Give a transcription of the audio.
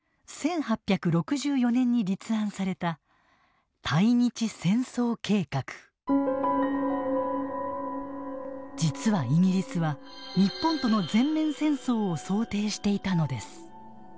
１８６４年に立案された実はイギリスは日本との全面戦争を想定していたのです。